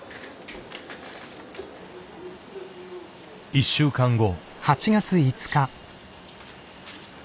１週間後。